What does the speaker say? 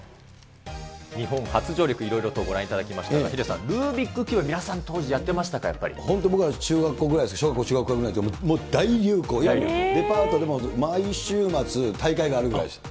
日本初上陸、いろいろとご覧いただきましたが、ヒデさん、ルービックキューブ、皆さん当時、本当、僕ら中学校ぐらいですか、小学校、中学校ぐらいのとき、もう大流行、いわゆるデパートでも毎週末、大会があるぐらいでした。